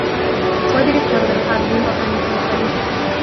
Fue director del Jardín Botánico de París.